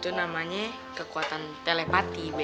itu namanya kekuatan telepati